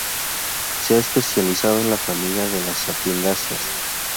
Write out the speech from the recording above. Se ha especializado en la familia de las sapindáceas.